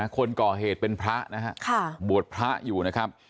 คนก่อเหตุเป็นพระนะฮะบวชพระอยู่นะครับ